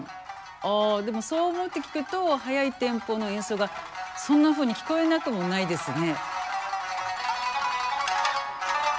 あでもそう思って聴くと速いテンポの演奏がそんなふうに聞こえなくもないですね。